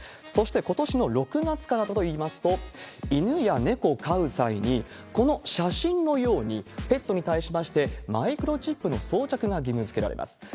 そしてことしの６月からはといいますと、犬や猫を飼う際に、この写真のように、ペットに対しましてマイクロチップの装着が義務づけられます。